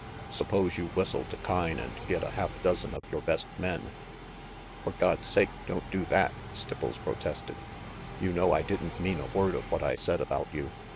Suppose you whissel to Kyne and get a half dozen of your best men RANGY PETE "For God's sake, don't do that!" Stipples pro tested. "You know I didn't mean a word of what I said about you.